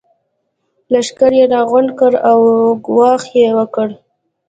لښکر يې راغونډ کړ او ګواښ يې وکړ.